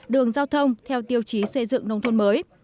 đường giao thông theo tiêu chí xây dựng nông thôn mới